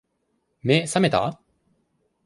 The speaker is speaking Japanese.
目、さめた？